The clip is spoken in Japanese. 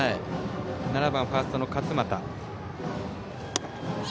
７番、ファーストの勝股。